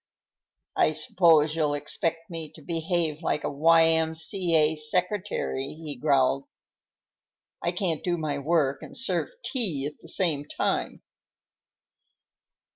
"I suppose you'll expect me to behave like a Y.M.C.A. secretary," he growled. "I can't do my work and serve tea at the same time."